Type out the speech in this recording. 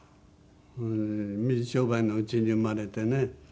水商売のうちに生まれてね